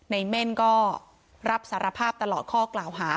เม่นก็รับสารภาพตลอดข้อกล่าวหา